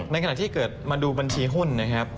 ในขณะที่เกิดมาดูบัญชีหุ้น